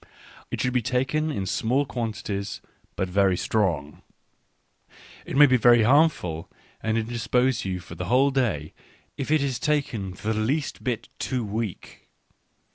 It should be taken in. small quantities, but very strong. It may be very harmful, and indis pose you for the whole day, if it be taken the least bit too weak.